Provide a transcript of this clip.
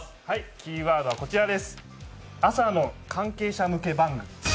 キーワードはこちらです。